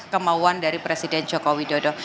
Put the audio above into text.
kemauan dari presiden jokowi dodo